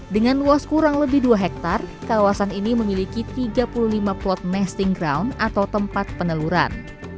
dengan luas kurang lebih dua hektare kawasan ini memiliki tiga puluh lima plot masting ground atau tempat peneluran